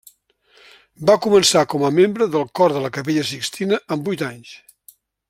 Va començar com a membre del cor de la Capella Sixtina amb vuit anys.